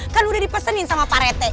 kan udah dipesenin sama pak rete